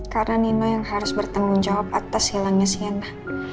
karena nino yang harus bertanggung jawab atas hilangnya shena